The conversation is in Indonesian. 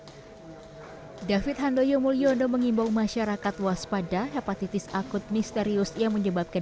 hai david handoyo mulyono mengimbau masyarakat waspada hepatitis akut misterius yang menyebabkan